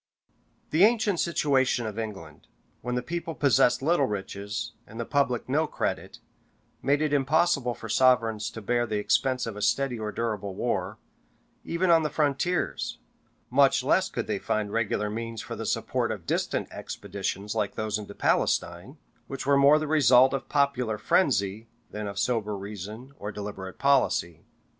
The ancient situation of England, when the people possessed little riches and the public no credit, made it impossible for sovereigns to bear the expense of a steady or durable war, even on their frontiers; much less could they find regular means for the support of distant expeditions like those into Palestine, which were more the result of popular frenzy than of sober reason or deliberate policy.